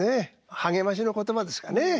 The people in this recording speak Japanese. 励ましの言葉ですかね。